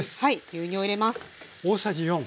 牛乳を入れます。